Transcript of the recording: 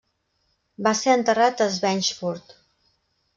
Va ser enterrat a Schweinfurt.